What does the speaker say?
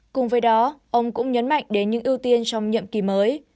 cùng với đó ông cũng nhấn mạnh đến những ưu tiên trong nhiệm kỳ mới